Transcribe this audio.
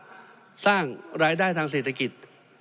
เพราะฉะนั้นโทษเหล่านี้มีทั้งสิ่งที่ผิดกฎหมายใหญ่นะครับ